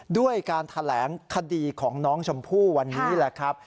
ด้วยการแถลงคดีของน้องชมพู่วันนี้แหละครับ